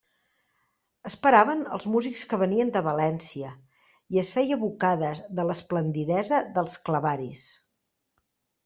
Esperaven els músics que venien de València, i es feia bocades de l'esplendidesa dels clavaris.